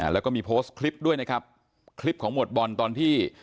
แล้วก็มีโพสต์คลิปด้วยนะครับคลิปของหมวดบอลตอนที่